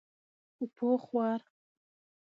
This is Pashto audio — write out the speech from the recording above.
خو پوخ وار.